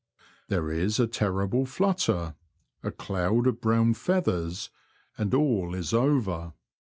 There is a terrible flutter, a cloud of brown feathers, and all is over.